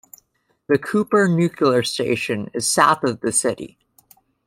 The Cooper Nuclear Station is south of the city.